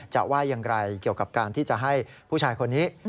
ว่าอย่างไรเกี่ยวกับการที่จะให้ผู้ชายคนนี้